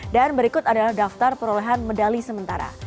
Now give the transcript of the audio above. dan berikut adalah daftar perolehan medali sementara